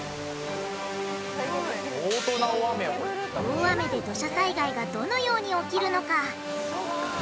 「大雨で土砂災害がどのように起きるのか？」